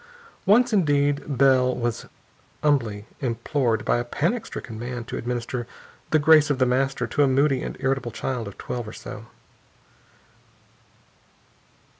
Once, indeed, Bell was humbly implored by a panic stricken man to administer "the grace of The Master" to a moody and irritable child of twelve or so.